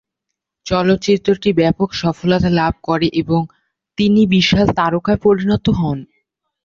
চলচ্চিত্রটি ব্যাপক সফলতা লাভ করে ও তিনি বিশাল তারকায় পরিণত হন।